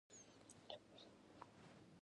خټکی د مېوې پاچا نه ده، خو له خوږو نه ده کمه.